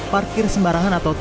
parkir sembarangan atau tidak